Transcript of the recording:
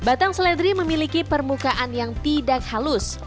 batang seledri memiliki permukaan yang tidak halus